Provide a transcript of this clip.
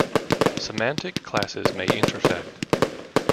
Semantic classes may intersect.